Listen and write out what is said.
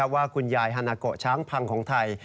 ว่าคุณยายฮานาโกช้างพังของไทย